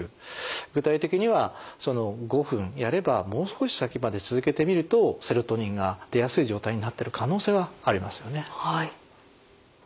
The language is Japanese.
具体的にはその５分やればもう少し先まで続けてみるとセロトニンが出やすい状態になってる可能性はありますよね。